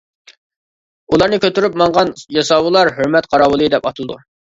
ئۇلارنى كۆتۈرۈپ ماڭغان ياساۋۇللار ھۆرمەت قاراۋۇلى دەپ ئاتىلىدۇ.